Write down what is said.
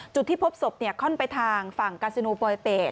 จุดที่พบศพค่อนไปทางฝั่งกาซิโนปลอยเป็ด